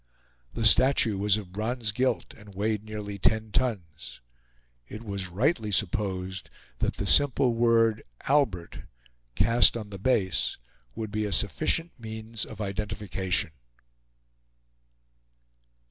The statue was of bronze gilt and weighed nearly ten tons. It was rightly supposed that the simple word "Albert," cast on the base, would be a sufficient means of identification.